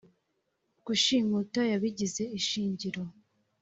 Gushimuta yabigize ishingiro